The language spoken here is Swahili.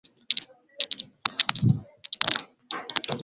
juu ya matukio kama hayo kama ya ya ya ivory coast